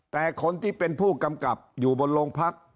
แต่คนที่เป็นผู้กำกับอยู่บนโรงพัก